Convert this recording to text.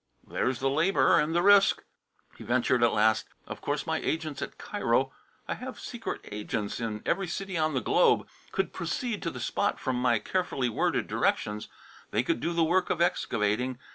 "There's the labour and the risk," he ventured at last. "Of course my agents at Cairo I have secret agents in every city on the globe could proceed to the spot from my carefully worded directions. They could do the work of excavating.